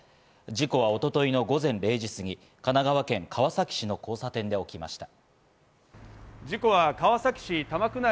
事故は一昨日の午前０時過ぎ、神奈川県川崎市の交差点で起きました。